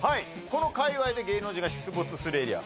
この界わいで芸能人が出没するエリア